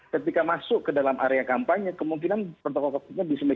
ketika masuk ke dalam area kampanye kemungkinan protokol covid sembilan belas